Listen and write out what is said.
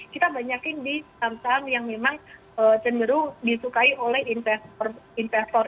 kita banyakin di saham saham yang memang cenderung disukai oleh investor